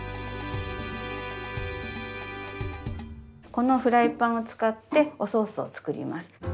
このフライパンを使っておソースを作ります。